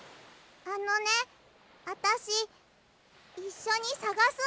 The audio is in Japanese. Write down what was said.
あのねあたしいっしょにさがす。